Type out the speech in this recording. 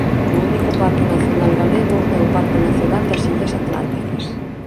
O único parque nacional galego é o Parque Nacional das Illas Atlánticas.